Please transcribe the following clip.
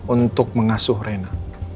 untuk mengasuh rena